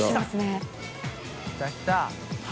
岩）来た来た！